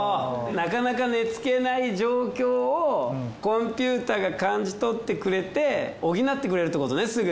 なかなか寝付けない状況をコンピューターが感じ取ってくれて補ってくれるってことねすぐ。